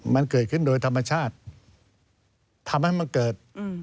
มันเกิดขึ้นโดยธรรมชาติทำให้มันเกิด